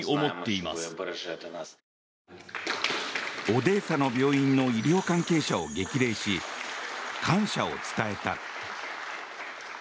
オデーサの病院の医療関係者を激励し感謝を伝えた。